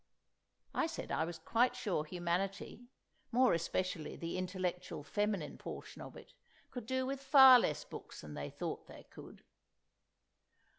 I said I was quite sure humanity, more especially the intellectual feminine portion of it, could do with far less books than they thought they could.